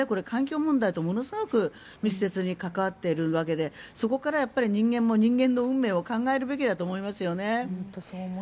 環境問題とものすごく密接に関わっているわけでそこから人間も人間の運命を考えるべきだと思いますよね。